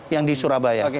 yang di surabaya